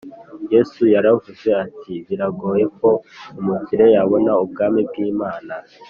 yesu yaravuze ati biragoye ko umukire yabona ubwami bw’imana